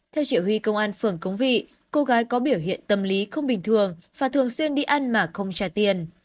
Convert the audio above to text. theo chỉ huy công an phường cống vị cô gái có biểu hiện tâm lý không bình thường và thường xuyên đi ăn mà không trả tiền